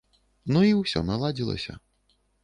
Ну і ўсё наладзілася.